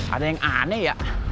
ada yang aneh ya